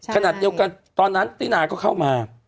ขนาดเดียวกันตอนนั้นตินาก็เข้ามา